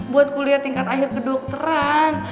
buat kuliah tingkat akhir kedokteran